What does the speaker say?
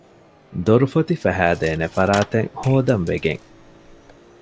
ދޮރުފޮތި ފަހައިދޭނެ ފަރާތެއް ހޯދަން ވެގެން